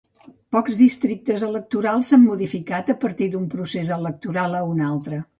Pocs districtes electorals s'han modificat a partir d'un procés electoral a un altre.